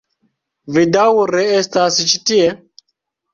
Vi daŭre estas ĉi tie?